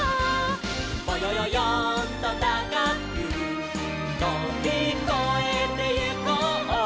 「ぼよよよんとたかくとびこえてゆこう」